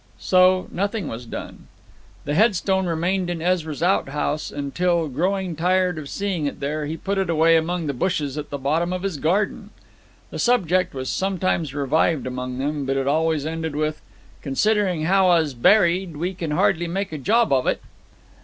So nothing was done. The headstone remained in Ezra's outhouse till, growing tired of seeing it there, he put it away among the bushes at the bottom of his garden. The subject was sometimes revived among them, but it always ended with: 'Considering how 'a was buried, we can hardly make a job o't.'